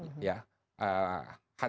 tidak bisa dihutangkan